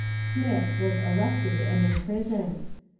Smith was arrested and imprisoned.